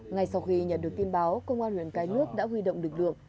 ngay sau khi nhận được tin báo công an huyện cái nước đã huy động lực lượng